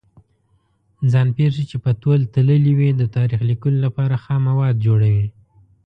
ځان پېښې چې په تول تللې وي د تاریخ لیکلو لپاره خام مواد جوړوي.